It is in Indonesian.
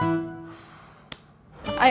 sampai jumpa lagi